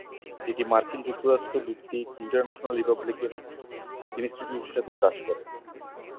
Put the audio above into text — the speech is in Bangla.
এটি মার্কিন যুক্তরাষ্ট্র ভিত্তিক ইন্টারন্যাশনাল রিপাবলিকান ইনস্টিটিউটের সাথে কাজ করে।